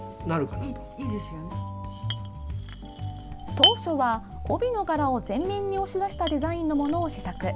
当初は、帯の柄を前面に押し出したデザインのものを試作。